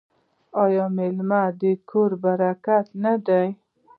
آیا میلمه د کور برکت نه دی؟